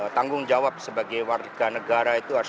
tanggung jawab sebagai warga negara itu harus